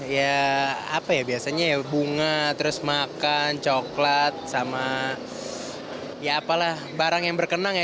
ya apa ya biasanya ya bunga terus makan coklat sama ya apalah barang yang berkenang ya